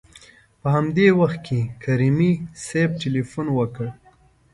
په همدې وخت کې کریمي صیب تلېفون وکړ.